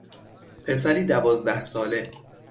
پسری دوازده ساله